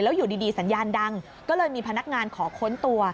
อยู่ดีสัญญาณดังก็เลยมีพนักงานขอค้นตัว